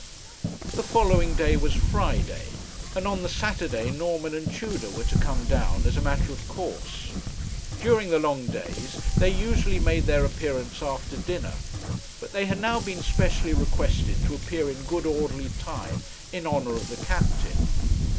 The following day was Friday, and on the Saturday Norman and Tudor were to come down as a matter of course. During the long days, they usually made their appearance after dinner; but they had now been specially requested to appear in good orderly time, in honour of the captain.